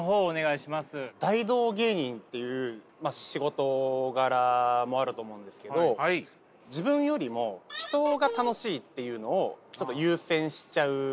大道芸人っていう仕事柄もあると思うんですけど自分よりも人が楽しいっていうのをちょっと優先しちゃうんですよね。